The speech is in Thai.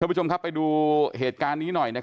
ช่วยผู้ชมครับไปดูล่ะที่มีเหตุการณ์นี้หน่อยนะครับ